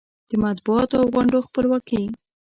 د مطبوعاتو او غونډو خپلواکي